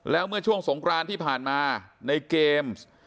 แล้วเมื่อช่วงสงครานที่ผ่านมาในเกม